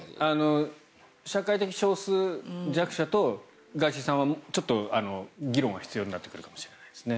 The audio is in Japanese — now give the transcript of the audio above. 社会的少数弱者とガーシーさんはちょっと議論が必要になってくるかもしれないです。